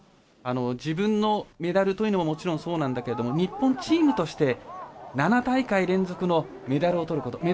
自分のメダルというのももちろんそうなんだけれども日本チームとして７大会連続のメダルをとること。